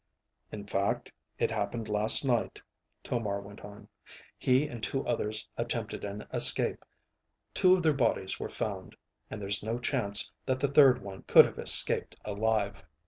"In fact it happened last night," Tomar went on. "He and two others attempted an escape. Two of their bodies were found. And there's no chance that the third one could have escaped alive."